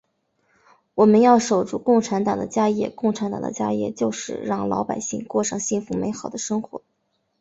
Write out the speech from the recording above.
我们要守住共产党的家业，共产党的家业就是让老百姓过上幸福美好的生活。